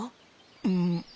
うん。